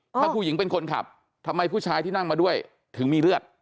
ถ้าผู้หญิงเป็นคนขับทำไมผู้ชายที่นั่งมาด้วยถึงมีเลือด